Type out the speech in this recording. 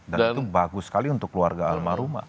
dan itu bagus sekali untuk keluarga almarhumah